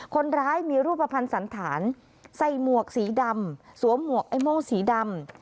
คนร้ายมีรูปภัณฑ์สันฐานใส่หมวกสีดำสวมหมวกไอ้โม่งสีดำ